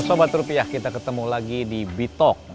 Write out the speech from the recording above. sobat rupiah kita ketemu lagi di bitok